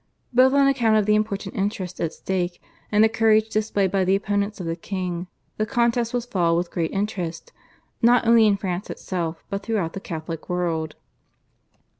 Both on account of the important interests at stake and the courage displayed by the opponents of the king the contest was followed with great interest not only in France itself but throughout the Catholic world.